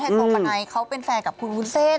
แฮนต์ประไนเขาเป็นแฟร์กับคุณวุ้นเส้น